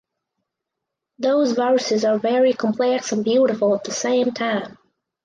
Those verses are very complex and beautiful at the same time.